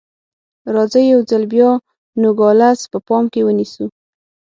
راځئ یو ځل بیا نوګالس په پام کې ونیسو.